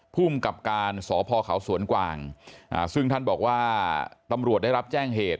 ภูมิกับการสพเขาสวนกวางซึ่งท่านบอกว่าตำรวจได้รับแจ้งเหตุ